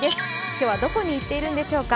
今日は、どこに行っているのでしょうか。